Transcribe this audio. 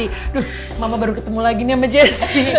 aduh mama baru ketemu lagi nih sama jesse